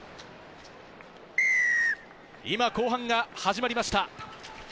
今、後半が始まりました。